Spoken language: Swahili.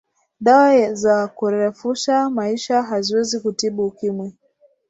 dawa za kurefusha maisha haziwezi kutibu ukimwi